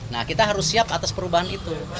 nah kita harus siap atas perubahan itu